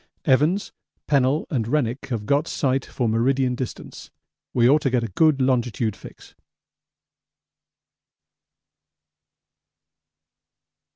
Evans, Pennell, and Rennick have got sight for meridian distance; we ought to get a good longitude fix.